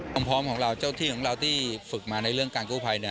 พร้อมของเราเจ้าที่ของเราที่ฝึกมาในเรื่องการกู้ภัยเนี่ย